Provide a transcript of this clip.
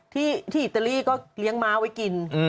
ที่อิตาลีก็เลี้ยงม้าไว้กิน